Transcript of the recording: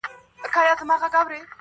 ټول عمر تكه توره شپه وي رڼا كډه كړې.